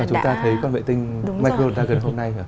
mà chúng ta thấy con vệ tinh micro dragon hôm nay